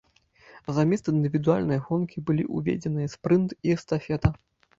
Замест індывідуальнай гонкі былі ўведзеныя спрынт і эстафета.